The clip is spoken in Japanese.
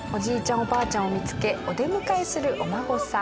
おばあちゃんを見つけお出迎えするお孫さん。